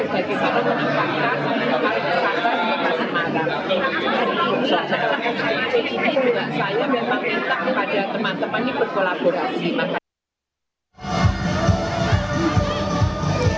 jadi ini juga saya minta kepada teman teman ini berkolaborasi